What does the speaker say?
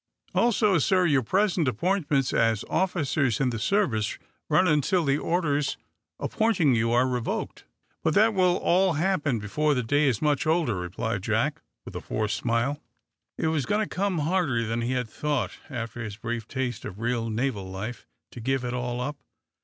Also, sir, your present appointments as officers in the service run until the orders appointing you are revoked." "But that will all happen before the day is much older," replied Jack, with a forced smile. It was going to come harder than he had thought, after this brief taste of real naval life, to give it all up!